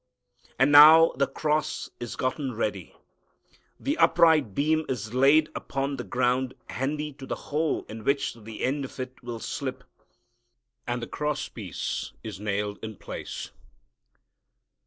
And now the cross is gotten ready. The upright beam is laid upon the ground handy to the hole in which the end of it will slip, and the cross piece is nailed in place.